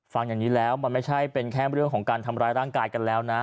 ฟังอย่างนี้แล้วมันไม่ใช่เป็นแค่เรื่องของการทำร้ายร่างกายกันแล้วนะ